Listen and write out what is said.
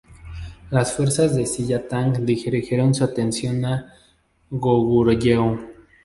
Las fuerzas de Silla-Tang dirigieron su atención a Goguryeo.